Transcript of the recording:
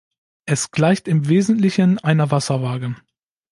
Es gleicht im Wesentlichen einer Wasserwaage.